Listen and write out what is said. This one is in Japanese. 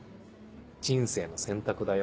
人生の選択だよ。